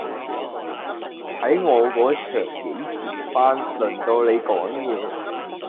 喺我個場幾時輪到你講嘢